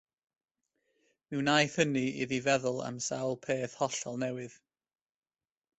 Mi wnaeth hynny iddi feddwl am sawl peth hollol newydd.